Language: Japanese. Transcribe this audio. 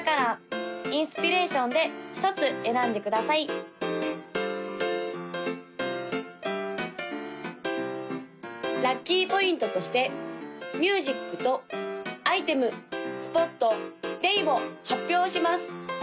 ・赤色紫色黄色青色の・ラッキーポイントとしてミュージックとアイテムスポットデイを発表します！